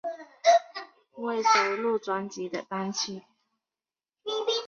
未收录专辑的单曲